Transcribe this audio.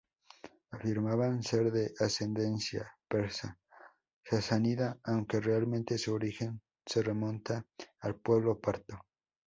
Afirmaban ser de ascendencia persa-sasánida, aunque realmente, su origen se remonta al pueblo parto.